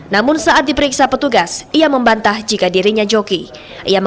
lalu dari teman juga bilangnya daftarnya online